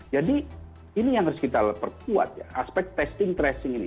jadi ini yang harus kita perkuat ya aspek testing tracing ini